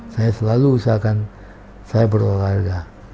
saya selalu usahakan saya berolahraga